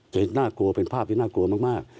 น่ากลัวเป็นภาพที่น่ากลัวมาก